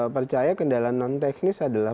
percaya kendala non teknis adalah